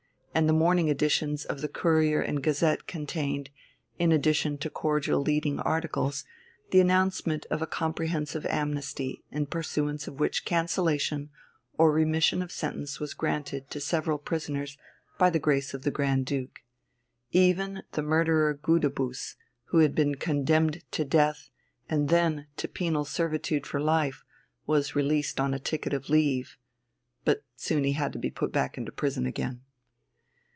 And the morning editions of the Courier and Gazette contained, in addition to cordial leading articles, the announcement of a comprehensive amnesty, in pursuance of which cancellation or remission of sentence was granted to several prisoners by the grace of the Grand Duke. Even the murderer Gudebus, who had been condemned to death, and then to penal servitude for life, was released on ticket of leave. But he soon had to be put back into prison again.